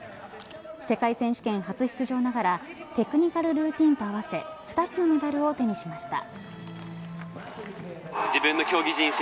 世界選手権初出場ながらテクニカルルーティンと合わせ２つのメダルを手にしました。